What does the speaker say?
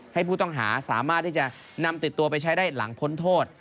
ให้ผู้ต้องหาสามารถที่จะนำติดตัวไปใช้ได้หลังพ้นโทษ